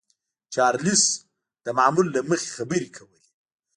چارليس د معمول له مخې خبرې کولې.